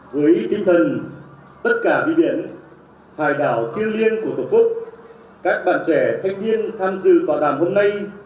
với tinh thần tất cả biển hải đảo thiêng liêng của tổ quốc các bạn trẻ thanh niên tham dự vào đàm hôm nay